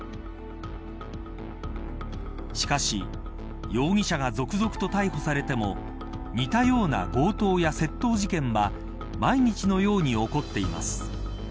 しかし、容疑者が続々と逮捕されても似たような強盗や窃盗事件は毎日のように起こっています。